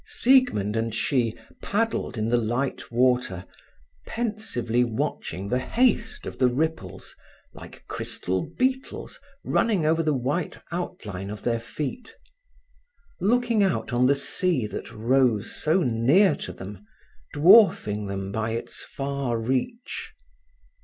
Siegmund and she paddled in the light water, pensively watching the haste of the ripples, like crystal beetles, running over the white outline of their feet; looking out on the sea that rose so near to them, dwarfing them by its far reach.